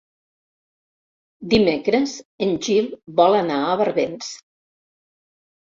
Dimecres en Gil vol anar a Barbens.